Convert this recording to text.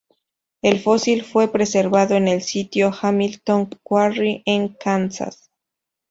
El fósil fue preservado en el sitio Hamilton Quarry en Kansas.